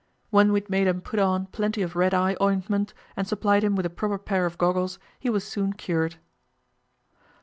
When we had made him put on plenty of red eye ointment and supplied him with a proper pair of goggles, he was soon cured.